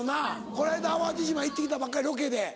この間淡路島行ってきたばっかりロケで。